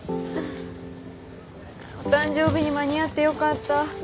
お誕生日に間に合って良かった。